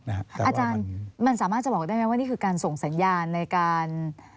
อาจารย์มันสามารถจะบอกได้ไหมว่านี่คือการส่งสัญญาณในการ